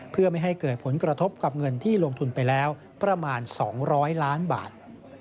เพื่อไม่ให้เกิดผลกระทบกับเงินที่ลงทุนไปแล้วประมาณ๒๐๐ล้านบาท